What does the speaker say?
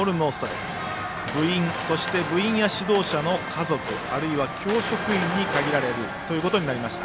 部員、そして部員や指導者の家族あるいは教職員に限られることになりました。